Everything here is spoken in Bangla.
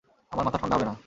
আমার মাথা ঠান্ডা হবে না।